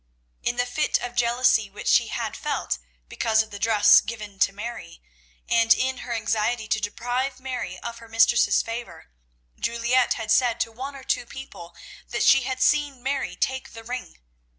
In the fit of jealousy which she had felt because of the dress given to Mary, and in her anxiety to deprive Mary of her mistress's favour, Juliette had said to one or two people that she had seen Mary take the ring.